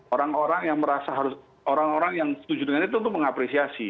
orang orang yang merasa harus orang orang yang setuju dengan itu tentu mengapresiasi